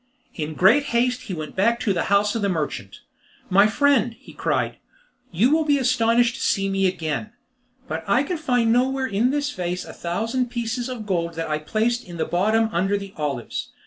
In great haste he went back to the house of the merchant. "My friend," he cried, "you will be astonished to see me again, but I can find nowhere in this vase a thousand pieces of gold that I placed in the bottom under the olives.